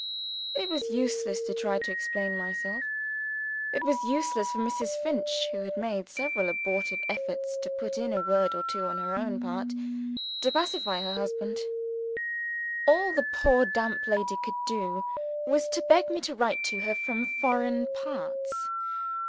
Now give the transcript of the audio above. It was useless to try to explain myself. It was useless for Mrs. Finch (who had made several abortive efforts to put in a word or two, on her own part) to attempt to pacify her husband. All the poor damp lady could do was to beg me to write to her from foreign parts.